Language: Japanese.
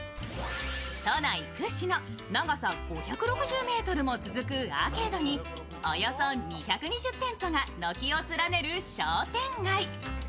都内屈指の長さ５６０ｍも続くアーケードにおよそ２２０店舗が軒を連ねる商店街